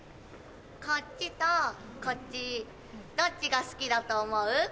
こっちとこっちどっちが好きだと思う？